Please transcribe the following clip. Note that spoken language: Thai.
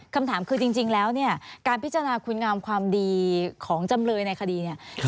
คำถามคือจริงแล้วเนี่ยการพิจารณาคุณงามความดีของจำเลยในคดีเนี่ย